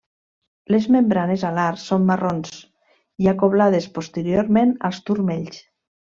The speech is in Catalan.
Les membranes alars són marrons i acoblades posteriorment als turmells.